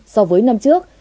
so với năm trước